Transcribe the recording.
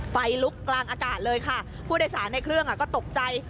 ไฟลุกกลางอากาศเลยค่ะผู้โดยสารในเครื่องก็ตกใจ